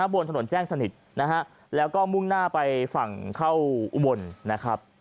บนถนนแจ้งสนิทนะฮะแล้วก็มุ่งหน้าไปฝั่งเข้าอุบลนะครับ